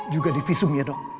juga di visum ya dok